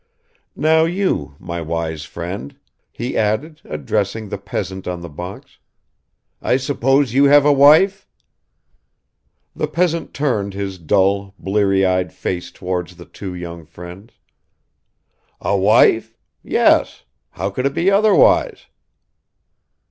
Now you, my wise friend," he added, addressing the peasant on the box. "I suppose you have a wife?" The peasant turned his dull bleary eyed face towards the two young friends. "A wife? Yes. How could it be otherwise?"